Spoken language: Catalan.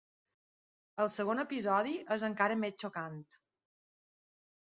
El segon episodi és encara més xocant.